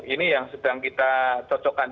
ini yang sedang kita cocokkan